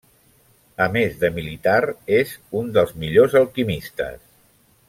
A més de militar, és un dels millors alquimistes.